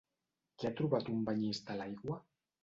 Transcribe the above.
Què ha trobat un banyista a l'aigua?